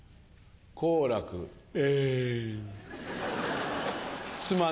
好楽えん。